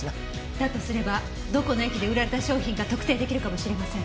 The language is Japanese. だとすればどこの駅で売られた商品か特定出来るかもしれません。